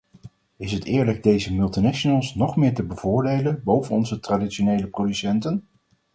Is het eerlijk deze multinationals nog meer te bevoordelen boven onze traditionele producenten?